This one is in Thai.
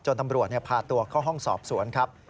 ตำรวจพาตัวเข้าห้องสอบสวนครับ